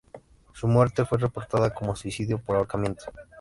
Su muerte fue reportada como suicidio por ahorcamiento.